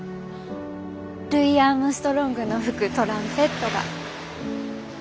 ルイ・アームストロングの吹くトランペットが。